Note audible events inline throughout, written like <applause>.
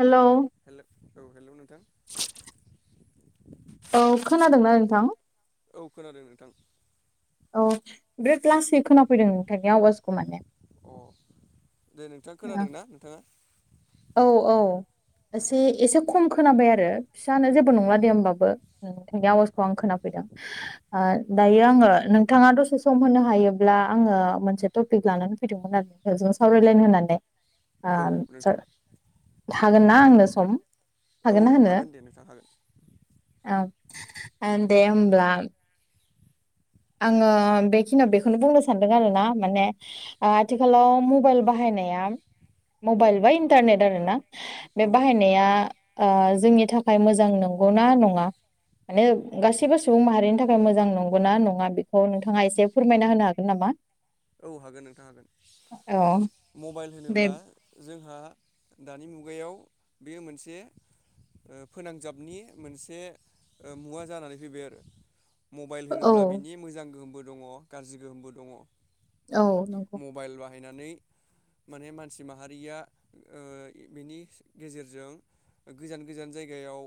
हेल hello औ hello नोंथां <unintelligible> औ खोनादोंना नोंथां औ खोनादों नोंथां औ बिराद लासै खोनाफैदों नोंथांनि आवाजखौ माने अ दे नोंथाङा खोनादों ना नोंथाङा औ औ एसे एसे खम खोनाबाय आरो फिसानो जेबो नंला दे होमबाबो नोंनि आवाजखौ आं खोनाफै ओ दायो आङो नोंथाङा दसे सम होनो हायोब्ला आङो मोनसे टपिक ला लानानै फैदोंमोन आरो नोंजों सावरायलायनो होनानै आ औ नोंथां हागोन ना आंनो सम औ ना होनो हागोन दे नोंथां हागोन आन दे होमब्ला आङो बेखिनियाव बेखौनो बुंनो सानदों आरोना माने आथिखालाव मबाइल बाहायनाय नाया मबाइलबा इन्टारनेट आरोना बे औ बाहायनाया ओ जोंनि थाखाय मोजां नंगौना नङा माने गासैबो सुबुं माहारिनि थाखाय मोजां नंगौना नं नङा बेखौ नोंथाङा एसे फोरमायना होनो हागोन नामा औ हागोन नोंथां हागोन औ मबाइल दे होनोब्ला जोंहा दानि मुगायाव बेयो मोनसे ओ फोनांजाबनि मोनसे ओ मुवा जानानै फैबाय आरो मबाइल औ होनोब्ला बिनि मोजां गोहोमबो दङ गाज्रि गोहोमबो दङ औ नंगौ फाहायनानै माने मानसि माहारिया ओ बिनि गेजेरजों गोजान गोजान जायगायाव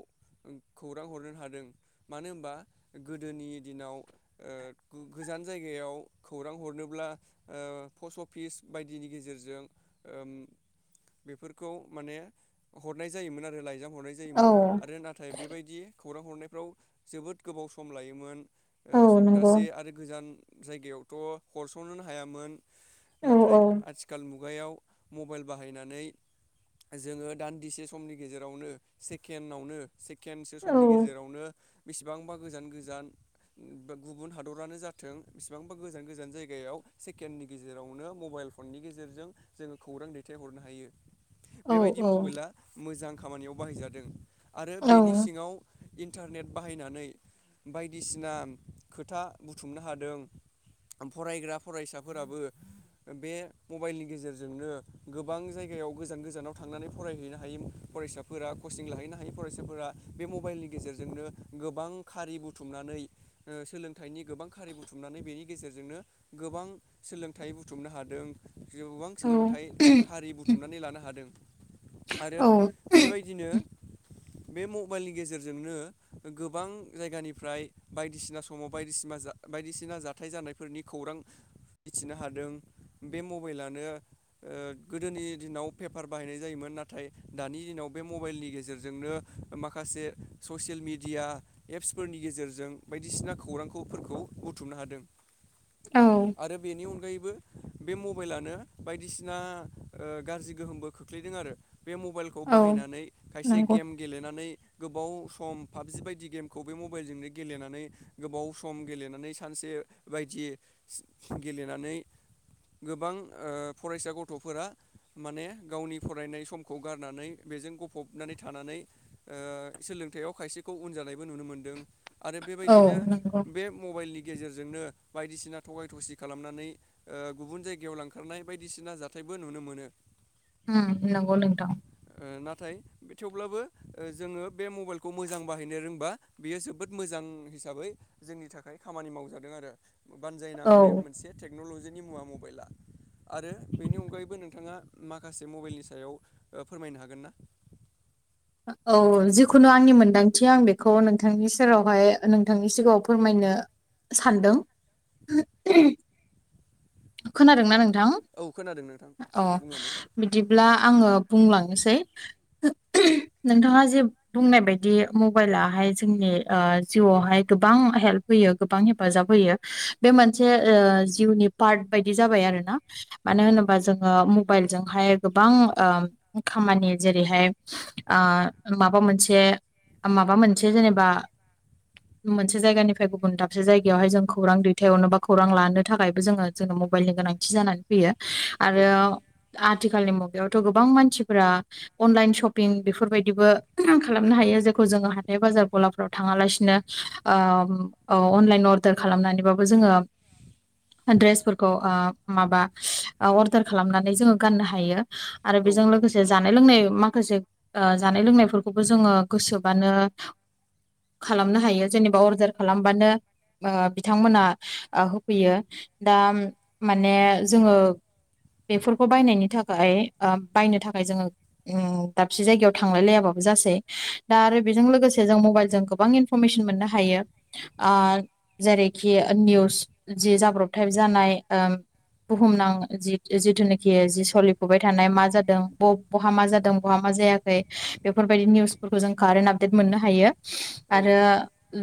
खौरां हरनो हादों मानो होनबा गोदोनि दिनाव ओ गौ गोजोन गोजान जायगायाव खौरां हरनो अब्ला ओ पस्ट अफिस बायदिनि गेजेरजों ओ बेफोरखौ माने हरनाय जायोमोन आरो लाइजाम हरनाय औ जायोमोन आरो नाथाय बेबायदि खौरां हरनायफ्राव जोबोद गोबाव सम लायोमोन औ ओ नंगौ सप्तासे आरो गोजान जायगायावथ हरसनोनो हायामोन औ नाथाय औ आथिखाल मुगायाव मबाइल बाहायनानै जोङो दान्दिसे समनि गेजेरावनो सेकेणडआवनो सेकेन्डसो औ समनि गेजेरावनो बेसेबांबा गोजान गोजान गुबुन हादरानो जाथों बेसेबांबा गोजान गोजान जायगायाव सेकेण्डनि गेजेरावनो मबाइल फननि गेजेरजों जोङो खौरां दैथायहरनो हायो औ बेबायदि मबाइला मोजां खामानियाव बाहायजादों आरो औ बेनि सिङाव इन्टारनेट बाहायनानै बायदिसिना खोथा बुथुमनो हादों फरायग्रा फरायसाफोराबो बे मबाइलनि गेजेरजोंनो गोबां जायगायाव गोजान गोजानाव थांनानै फरायहैनो हायोमोन फरायसाफोरा कचिं लाहैनो हायै फरायसाफोरा बे मबाइलनि गेजेरजोंनो गोबां खारि बुथुमनानै ओ सोलोंथाइनि गोबां खारि बुथुमनानै बेनि गेजेरजोंनो गोबां सोलोंथाइ बुथुमनो हादों गोबां सोलोंथाइ खारि बुथुमनानै लानो हादों आरो औ बेबायदिनो बे मबाइलनि गेजेरजोंनो गोबां जायगानिफ्राय बायदिसिना समाव बायदिसिना जा बायदिसिना जाथाय जानायफोरनि खौरां मिथिनो हादों बे मबाइलानो ओ गोदोनि दिनाव पेपार बाहायनाय जायोमोन नाथाय दानि दिनाव बे मबाइलनि गेजेरजोंनो माखासे ससियेल मिडिया एप्सफोरनि गेजेरजों बायदिसिना खौरांखौ फोरखौ बुथुमनो हादों औ आरो बेनि अनगायैबो बे मबाइलानो बायदिसिना ओ गाज्रि गोहोमबो खोख्लैदों आरो बे मबाइलखौ औ बाहायनानै खायसे नंगौ गेम गेलेनानै गोबाव सम पाबजि बायदि गेमखौ बे मबाइलजोंनो गेलेनानै गोबाव सम गेलेनानै सानसे बायदि गेलेनानै गोबां ओ फरायसा गथफोरा माने गावनि फरायनाय समखौ गारनानै बेजों गफबनानै थानानै ओ सोल थायाव खायसेखौ उन जानायबो नुनो मोनदों आरो औ बेबायदिनो नंगौ बे मबाइलनि गेजेरजोंनो बायदिसिना थगाय थसि खालामनानै ओ गुबुन जायगायाव लांखारनाय बायदिसिना जाथायबो नुनो मोनो उम्म नोंगौ नोंथां ओ नाथाय थेवब्लाबो ओ जोङो बे मबाइलखौ मोजां बाहायनो रोंबा बेयो जोबोद मोजां ओ हिसाबै जोंनि थाखाय खामानि मावजादों आरो बानजायनां बे औ मोनसे टेक नलजिनि मुवा मबेला आरो बेनि अनगायैबो नोंथाङा माखासे मबेलनि सायाव फोरमायनो हागोन ना? <inaudible> औ जिखुनु आंनि मोनदांथि आं बेखौ नोंथांनि सेरावहाय नोंथांनि सिगाङाव फोरमायनो सानदों खोनादोंना नों थां औ खोनादों नोंथां औ बुंलांबाय थादो बिदिब्ला आङो बुंलांनिसै नोंथाङा जे बुंनाय बायदि मबाइलाहाय जोंनि जिउआवहाय गोबां हेल्प हो यो गोबां हेफाजाब होयो बे मोनसे ओ जिउनि पार्ट बायदि जाबाय आरोना मानो औ होनोबा नंगौ जोङो म बाइलजोंहाय गोबां ओ खामानि जेरैहाय ओ माबा मोनसे माबा मोनसे जेनेबा मोनसे जायगानिफ्राय गुबुन दाबसे जायगायावहाय जों खौरां दैथायहरनो बा खौरां लानो थाखायबो जोङो जोनोम मबाइलनि गोनांथि जानानै फैयो। औ आरो आथिखालनि मुगायावथ गोबां मानसिफोरा अनलाइन शपिं बेफोरबायदिबो खालामनो हायो जेखौ जोङो हाथाय बाजार गलाफ्राव थांङालासिनो ओ औ अनलाइन अर्दार खालामनानैबाबो जोङो ड्रेसफोरखौ ओ माबा अर्दार खालामनानै जोङो गाननो हायो। आरो औ बेजों नंगौ लोगोसे नोंथां जानाय लोंनाय माखासे ओ जानाय लोंनायफोरखौबो जोङो गोसोबानो खालामनो हायो जेनेबा अर्डार खालामबानो ओ बिथांमोना होफैयो दा माने जोङो बेफोरखौ बायनायनि थाखाय ओ बायनो थाखाय जोङो उम दाबसे जायगायाव थांलाय लायाबाबो जासै दा आरो बेजों लोगोसे जों मबाइलजों गोबां इनफरमेसन मोननो हायो। ओ जेरैखि निउस जि जाब्रबथाय जानाय ओ बुहुमनां जि जिथुनाखि जि सोलिफुबाय थानाय मा जादों ब बहा मा जादों बहा मा जायाखै बेफोरबायदि निउसफोरखौ जों कारेन्ट आपडेट मोननो हायो औ आरो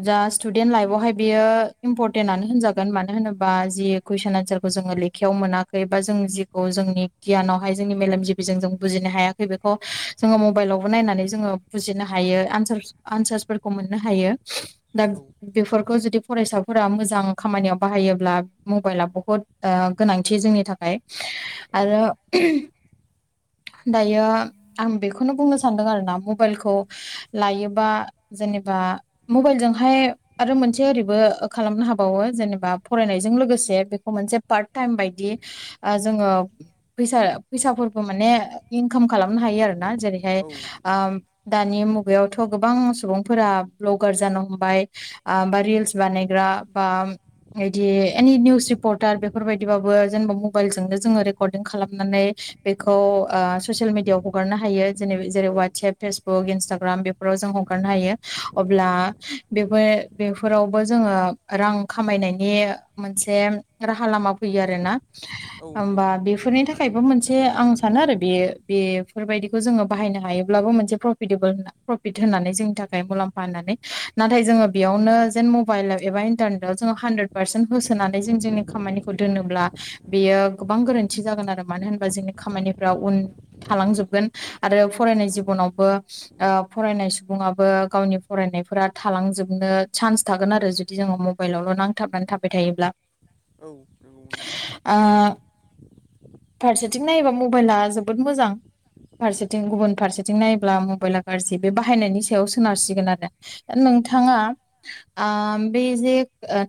जा स्टुडेन्ट लाइफआवहाय बियो इम्परटेनानो होनजागोन मानो होनोबा जि कुइसन एनसारखौ जोङो लेखायाव मोनाखै बा जों जिखौ जोंनि गियानावहाय जोंनि मेलेमजिबिजों जों बुजिनो हायाखै बे खौ जोङो मबाइलावबो नायनानै जोङो बुजिनो हायो आनसार आनसारसफोरखौ मोननो हायो। दा औ बेफोर खौ जुदि फरायसाफोरा मोजां खामानियाव बाहायोब्ला मबाइला बहुत ओ गोनांथि जोंनि थाखाय - औ आरो दायो आं बेखौनो बुंनो सानदों आरोना मबाइलखौ लायोबा जेनेबा मबाइल जोंहाय आरो मोनसे ओरैबो खालामनो हाबावो जेनेबा फरायनायजों लोगोसे बेखौ मोनसे पा पार्ट टाइम बायदि ओ जोङो फैसा फैसाफोरखौ माने इनकाम खालाम नो हायो आरोना जेरैहाय ओम दानि मुगायावथ' गोबां सुबुंफोरा भ्लगार जानो हमबाय आ बा रिल्स बानायग्रा आ बा बिदि एनि निउस रिपर्टार बेफोरबायदिबाबो जेनेबा मबाइलजोंनो जोङो रेकर्डिं खालामनानै बेखौ ओ ससियेल मिडियाआव हगारनो हायो जेन जेरै औ वाटसएप फेसबुक इटाग्राम बेफोराव जों हगारनो हायो अब्ला बेबो बेफोरावबो जोङो रां खामायनायनि मोनसे राहा लामा फैयो आरो ना। औ नंगौ होमबा नोंथां बेफोरनि थाखायबो मोनसे आं सानो आरो बेयो बे बेफोरबायदिखौ जोङो बाहायनो हायोब्लाबो मोनसे प्रफिटेबोल होन प्रफिट होननानै जोंनि थाखाय मुलाम्फा होननानै नाथाय जोङो बेयावनो जेन मबाइल एबा इन्टारनेटाव जोङो हानद्रेद पारसेन्ट होसोनानै जों जोंनि खामानिखौ दोनोब्ला बेयो गोबां गोरोन्थि जागोन आरो मानो होनोबा जोंनि खामानिफ्रा उन थालांजोब गोन आरो फरायनाय जिबनावबो ओ फरायनाय सुबुङाबो गावनि फरायनायफोरा था लांजोबनो चान्स थागोन आरो जुदि जोङो मबाइलावल' नांथाबनानै थाबाय थायोब्ला औ नंगौ नोंथां ओ फारसेथिं नायोबा मबाइला जोबोद मोजां। फारसेथिं गुबुन फारसेथिं नायोब्ला मबाइला गाज्रि बे बाहायनायनि सायाव सोनारसिगोन आरो, दा नोंथां थाङा ओ बे जे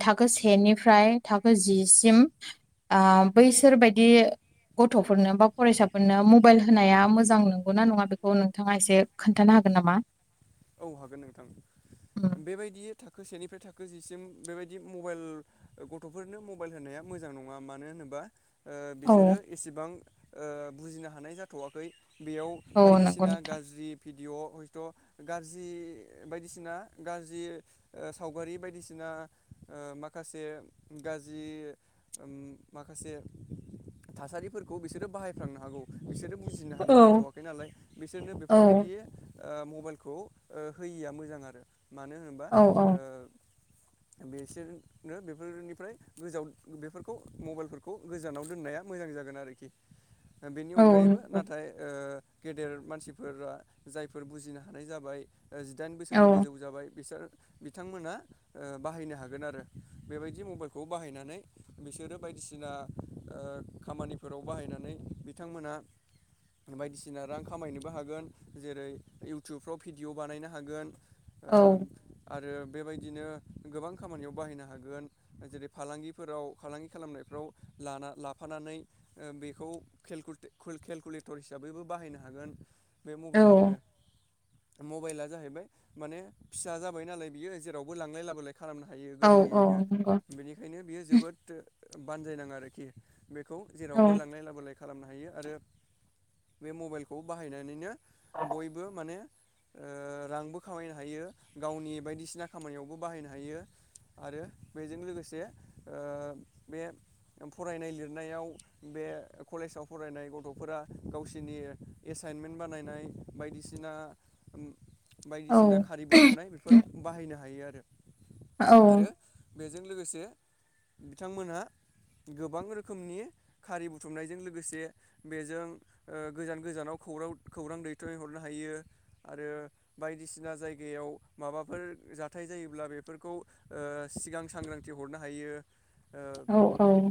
थाखो सेनिफ्राय थाखो जिसिम ओ बैसोर बायदि गथ'फोरनो बा फरायसाफोरनो मबाइल होनाया मोजां मोजां नंगौना नङा बेखौ नोंथाङा एसे खोन्थानो हागोन नामा? औ हागोन नोंथां बेबायदि थाखो सेनिफ्राय थाखो जिसिम बेबायदि मबाइल गथ'फोरनो मबाइल होनाया मोजां नङा मानो होनोबा ओ बिसोरो औ एसेबां ओ बुजिनो हानाय जाथ'वाखै। बेयाव औ नंगौ बायदिसिना नोंथां गाज्रि भिडिय' हयथ' गाज्रि बायदिसिना गाज्रि ओ सावगारि बायदिसिना ओ माखा से गाज्रि ओम माखासे थासारिफोरखौ बिसोरो बाहायफ्लांनो हागौ। बिसोरो बुजिनो औ हानाय जाथ'वाखै नालाय बिसोरनो औ बेफोरबायदि ओ मबाइल खौ ओ होयिया मोजां आरो, मानो होनोबा औ ओ औ बेसोरनो बेफोरनिफ्राय गोजाव बेफोरखौ मबाइलफोरखौ गोजानाव दोननाया मोजां। जागोन आरोखि। बेनि औ अनगायैबो नंगौ नाथाय ओ गेदेर मानसिफोरा जायफोर बुजिनो हा हानाय जाबाय ओ जिदाइन औ बोसोरनि गोजौ जाबाय बिसोर बिथांमोना ओ बाहायनो हागोन आरो बेबायदि मबाइलखौ बाहायनानै बिसोरो बाय दिसिना ओ खामानिफोराव बाहायनानै बिथांमोना बायदिसिना रां खामायनोबो हागोन जेरै इउ टुबफ्राव भिडिअ बानायनो हागोन ओ औ आरो बेबायदिनो गोबां खामानियाव बाहायनो हागोन जेरै फालांगिफोराव फालांगि खालामनायफ्राव लाना लाफानानै ओ बेखौ केलकुत-केलकुलेटर हिसाबैबो बाहायनो हागोन। बे औ मबाइलावनो। मबाइला जाहैबाय माने फिसा जाबाय नालाय बियो जेरावबो लांलाय लाबोलाय खालामनो हायो औ औ गोरलैयैनो नंगौ बेनिखायनो बियो जोबोद बानजायनां आरोखि। बे खौ जेरावबो लांलाय लाबोलाय खालामनो हायो आरो बे मबाइलखौ बाहायनानैनो बयबो माने ओ रांबो खामायनो हायो गावनि बायदिसिना खामानियावबो बाहायनो हायो। आरो बेजों लोगोसे ओ बे फरायनाय लिरनायाव बे कलेजाव फरायनाय गथ'फोरा गावसिनि एस साइनमेन्ट बानायनाय बायदिसिना उम औ बायदिसिना खारि बुथुमनाय बेफोराव बाहायनो हायो आरो। औ। आरो बेजों लोगोसे बिथांमोनहा गोबां रोखोमनि खारि बुथुमनायजों लोगोसे बेजों ओ गोजान गोजानाव खौरा-खौरां दैथायहरनो हायो। आरो बायदिसिना जायगायाव माबाफोर जाथाय जायोब्ला बेफोरखौ ओ सिगां सांग्रांथि हरनो हायो। औ औ।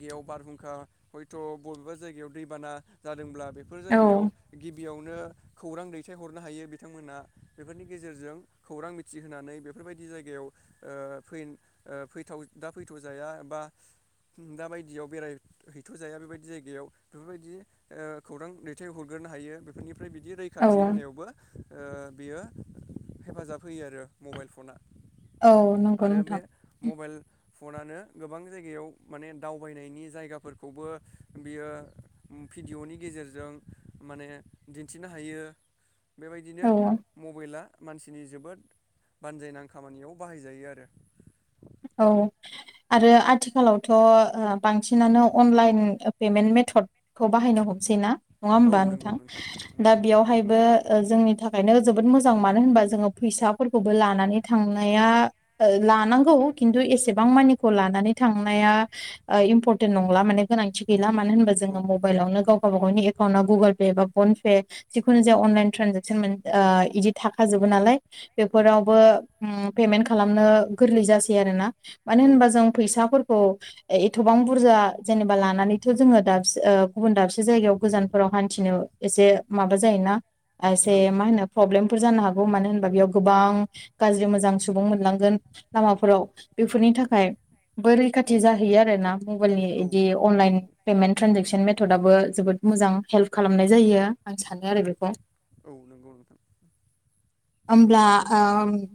याव बारहुंखा हयथ बबेबा जायगायाव दैबाना जादोंब्ला बेफोर जायगायाव औ गिब बेयावनो खौरां दै थायहरनो हायो बिथांमोनहा बेफोरनि गेजेरजों खौरां मिथिहोनानै बेफोरबायदि जायगायाव ओ ओ फै ओ फैथाव दा फैथ'जाया बा दा बायदियाव बेराय हैैथ'जाया बेबायदि जायगायाव बेफोरबायदि ओ खौरां दैथाय हरगोर नो हायो बेफोरनिफ्राय बिदि औ थि होनायावबो ओ बियो हेफाजाब होयो आरो मबाइल फना। औ नंगौ आरो बे नोंथां। मबाइल फनानो गोबां जायगायाव माने दावबायनायनि जायगाफोरखौबो बेयो भिडिय'नि गेजेरजों माने दिन्थिनो हायो। बेबायदिनो औ मबेला मानसिनि जोबोद बानजायनां खामानियाव बाहायजायो आरो। औ आरो आथिखालावथ' बांसिनानो अनलाइन पेमेन्ट मेथद थदखौ बाहायनो हमसै ना नङा औ होमबा नंगौ नोंथां दा नंगौ बेयावहायबो जोंनि थाखायनो जोबोद मोजां मानो होनबा जोङो फैसाफोरखौबो लानानै थांनाया लानांगौ खिन्थु एसेबां मानिखौ लानानै थांनाया ओ इम्परटेन्ट नंला माने गोनांथि गै ला मानो होनबा औ जोङो मबाइलावनो गाव गावबा गावनि एकाउन्टाव गुगोल पे बा फन पे जिखुनु जाया अनलाइन ट्रेनजेकसन मोन इदि थाखाजोबो नालाय। औ बेफोरावबो ओ पेमेन्ट खालामनो गोरलै जासै आरोना। मानो औ होनबा जों फैसाफोर खौ एथ'बां बुरजा जेनेबा लानानैथ' जोङो दाबसे ओ गुबुन दाबसे जायगायाव गोजानफोराव हन्थिनो एसे माबा जायोना एसे मा औ होनो प्रब्लेम फोर जानो हागौ मानो होनबा बेयाव गोबां गाज्रि मोजां सुबुं मोनलांगोन लामाफ फोराव बेफोरनि थाखाय बो औ रैखाथि जाहैयो आरोना मबाइलनि औ इदि नंगौ अनलाइन पेमेन्ट ट्रेनजेकसन मेथ थदआबो जोबोद मोजां हेल्प खालामनाय जायो आं सानो आरो बेखौ। औ नंगौ नोंथां। होमब्ला ओ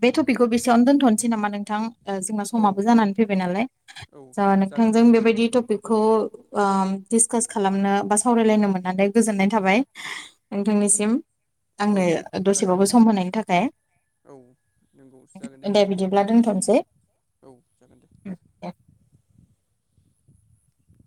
बे टपिकखौ बेसेयावनो दोनथ'नोसै नामा नोंथां? जोंना औ समाबो जानानै फैबाय नालाय औ दा जागोन दे नोंथांजों नोंथां बेबायदि टपिकखौ ओ डिसकास खालामनो बा सावरायलायनो मोननानै गोजोननाय थाबाय नोंथांनिसिम औ आंनो जागोन दे दसेबाबो सम नोंथां होनायनि थाखाय औ नंगौसो जागोन दे बिदिब्ला दोनथ'नोसै नोंथां। औ जागोन दे।